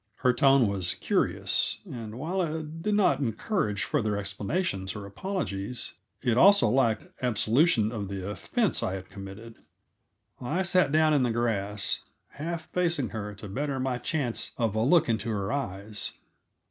Her tone was curious, and while it did not encourage further explanations or apologies, it also lacked absolution of the offense I had committed. I sat down in the grass, half facing her to better my chance of a look into her eyes.